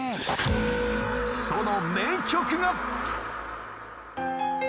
その名曲が